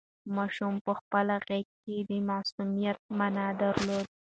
ماشوم په خپل غږ کې د معصومیت مانا درلوده.